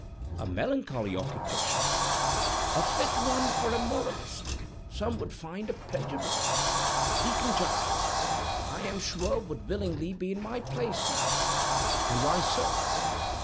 "A melancholy occupation." "A fit one for a moralist. Some would find a pleasure in it. Deacon Giles, I am sure, would willingly be in my place now." "And why so?"